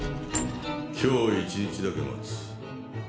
今日一日だけ待つ。